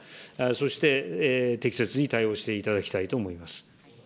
そして、適切に対応していただきたいと思います。